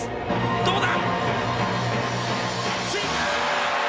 どうだ？